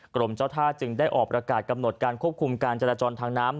กรมเจ้าท่าจึงได้ออกประกาศกำหนดการควบคุมการจราจรทางน้ำ